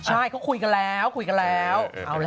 ใช่คุยกันแล้วเอาแล้ว